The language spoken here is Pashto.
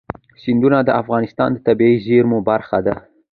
سیندونه د افغانستان د طبیعي زیرمو برخه ده.